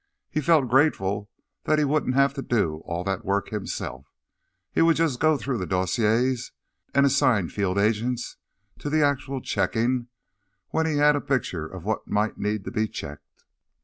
He felt grateful that he wouldn't have to do all that work himself; he would just go through the dossiers and assign field agents to the actual checking when he had a picture of what might need to be checked.